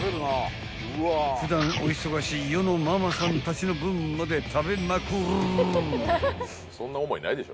［普段お忙しい世のママさんたちの分まで食べまくる］